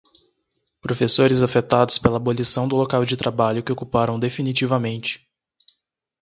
Professores afetados pela abolição do local de trabalho que ocuparam definitivamente.